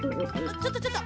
ちょっとちょっと。